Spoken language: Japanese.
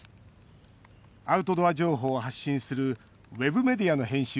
アウトドア情報を発信するウェブメディアの編集